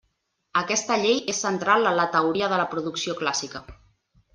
Aquesta llei és central en la teoria de la producció clàssica.